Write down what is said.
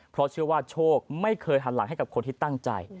เพราะเชื่อว่าโชคไม่เคยหันหลังให้กับคนที่ตั้งใจ